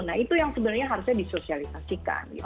nah itu yang sebenarnya harusnya disosialisasikan